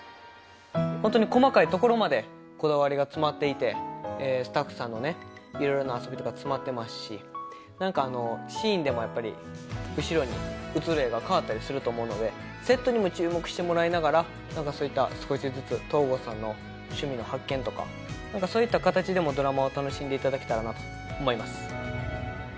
ホントに細かいところまでこだわりが詰まっていてスタッフさんの色々な遊びとか詰まってますしシーンでも後ろに映る画が変わったりすると思うのでセットにも注目してもらいながらそういった少しずつ東郷さんの趣味の発見とかそういった形でもドラマを楽しんでいただけたらなと思います